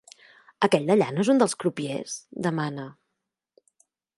Aquell d'allà no és un dels crupiers? —demana.